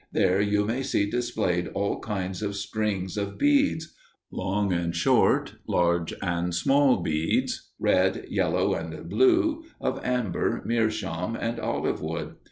There you may see displayed all kinds of strings of beads long and short, large and small beads, red, yellow, and blue, of amber, meerschaum, and olive wood.